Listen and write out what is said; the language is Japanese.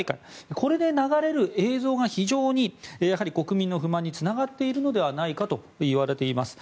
これで流れる映像が非常に国民の不満につながっているのではないかといわれています。